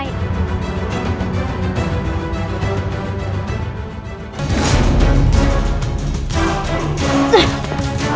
ini juga bisa